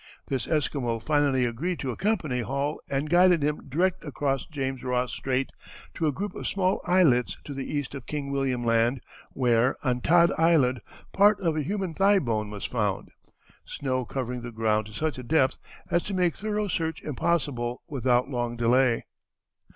This Esquimau finally agreed to accompany Hall and guided him direct across James Ross Strait to a group of small islets to the east of King William Land, where, on Todd Island, part of a human thigh bone was found; snow covering the ground to such a depth as to make thorough search impossible without long delay.